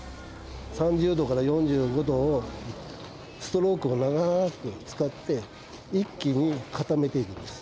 ３０度から４５度をストロークを長く使って、一気に固めていきます。